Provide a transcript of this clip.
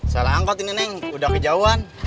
salah angkot ini neng udah kejauhan